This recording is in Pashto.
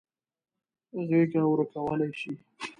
غېږه ورکولای شي.